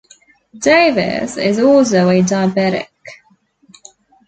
Davis is also a diabetic.